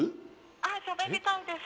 ☎あっしゃべりたいです